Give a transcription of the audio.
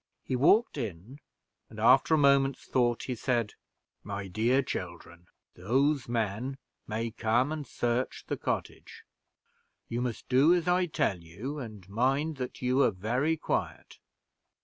He walked in, and, after a moment's thought, he said, "My dear children, those men may come and search the cottage; you must do as I tell you, and mind that you are very quiet.